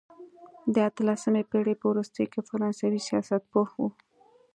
د اتلسمې پېړۍ په وروستیو کې فرانسوي سیاستپوه وو.